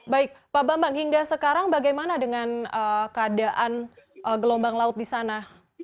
baik pak bambang hingga sekarang bagaimana dengan keadaan gelombang laut di sana